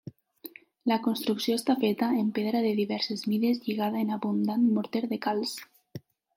La construcció està feta en pedra de diverses mides lligada en abundant morter de calç.